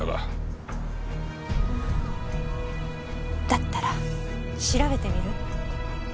だったら調べてみる？